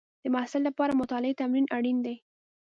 د محصل لپاره مطالعې تمرین اړین دی.